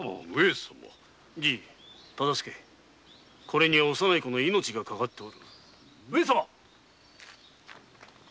これには幼い子の命がかかっておる。